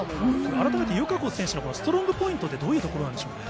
改めて友香子選手のストロングポイントってどういうところなんでしょうね。